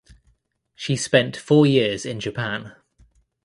She spent four years in Japan.